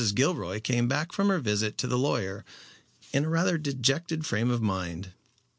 Gilroy came back from her visit to the lawyer in rather a dejected frame of mind.